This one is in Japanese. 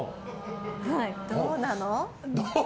どうなの？